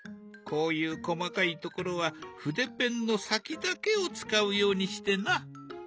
こういう細かいところは筆ペンの先だけを使うようにしてな。